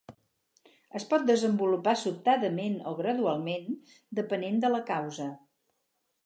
Es pot desenvolupar sobtadament o gradualment, depenent de la causa.